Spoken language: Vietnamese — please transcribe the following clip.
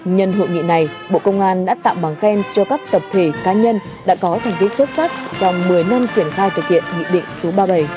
nhân hội nghị này bộ công an đã tặng bằng khen cho các tập thể cá nhân đã có thành tích xuất sắc trong một mươi năm triển khai thực hiện nghị định số ba mươi bảy